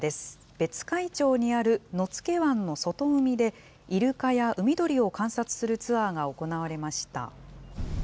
別海町にある野付湾の外海で、イルカや海鳥を観察するツアーが行われました。